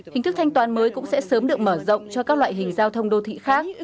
hình thức thanh toán mới cũng sẽ sớm được mở rộng cho các loại hình giao thông đô thị khác